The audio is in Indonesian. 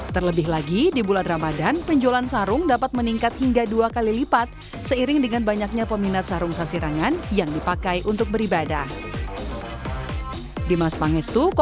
terlebih lagi di bulan ramadan penjualan sarung dapat meningkat hingga dua kali lipat seiring dengan banyaknya peminat sarung sasirangan yang dipakai untuk beribadah